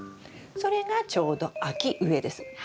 それがちょうど秋植えです。